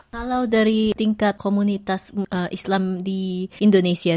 kalau dari tingkat komunitas islam di indonesia